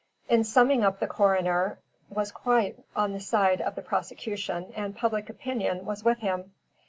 In summing up the Coroner was quite on the side of the prosecution and public opinion was with him.